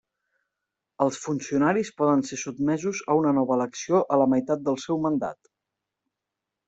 Els funcionaris poden ser sotmesos a una nova elecció a la meitat del seu mandat.